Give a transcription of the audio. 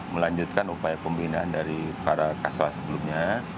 melanjutkan upaya pembinaan dari para kasal sebelumnya